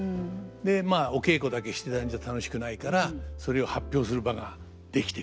まあお稽古だけしてたんじゃ楽しくないからそれを発表する場が出来ていく。